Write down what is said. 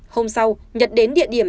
hôm sau nhật đến địa điểm